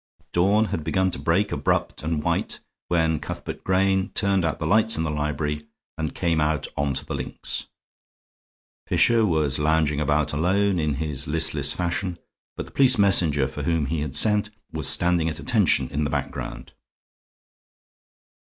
Dawn had begun to break abrupt and white when Cuthbert Grayne turned out the lights in the library and came out on to the links. Fisher was lounging about alone, in his listless fashion; but the police messenger for whom he had sent was standing at attention in the background.